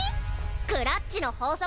クラっちの法則